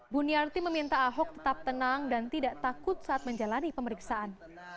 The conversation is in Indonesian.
buniyarti meminta ahok tetap tenang dan tidak takut saat menjalani pemeriksaan